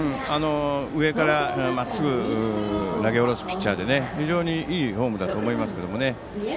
上からまっすぐ投げ下ろすピッチャーで非常にいいフォームだと思います。